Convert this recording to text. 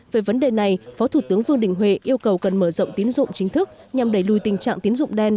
về vấn đề này phó thủ tướng vương đình huệ yêu cầu cần mở rộng tín dụng chính thức nhằm đẩy lùi tình trạng tiến dụng đen